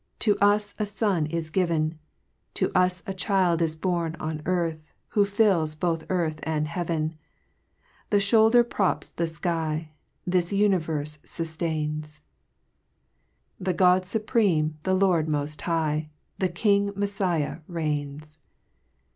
M\j To us a Son is given, To us a Child is born on earth, Who fills both earth and heaven ! His fliouldor props the Iky, This univerfe fullains ! The God fuprcme, the Lord moil high, The King Messiah reigns